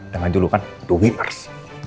dengan julukan the winners